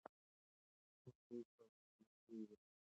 ښوونځي به بریالي شوي وي.